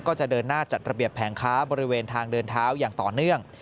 ก็จะเดินหน้าจัดระเบียบแผงค้าบริเวณทางเดินเท้าอย่างต่อเนื่อง